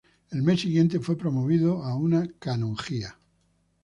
Al mes siguiente fue promovido a una canonjía.